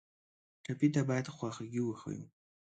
ټپي ته باید خواخوږي وښیو.